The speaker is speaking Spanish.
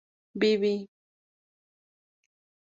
¿viví?